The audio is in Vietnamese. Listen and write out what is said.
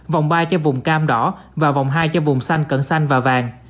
vòng ba cho vùng cam đỏ và vòng hai cho vùng xanh cận xanh và vàng